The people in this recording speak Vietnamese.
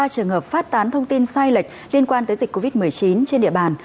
ba trường hợp phát tán thông tin sai lệch liên quan tới dịch covid một mươi chín trên địa bàn